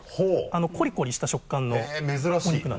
コリコリした食感のお肉なんですよ。